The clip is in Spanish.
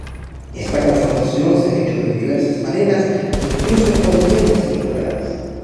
Esta confrontación se ha hecho de diversas maneras e incluso en contiendas electorales.